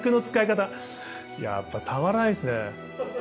やっぱたまらないっすね。